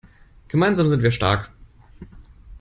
Gemeinsam sind wir stark.